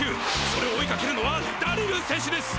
それを追いかけるのはダリルせんしゅです。